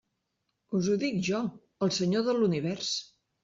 Us ho dic jo, el Senyor de l'univers.